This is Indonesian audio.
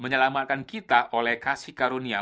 menyelamatkan kita oleh kasih karunia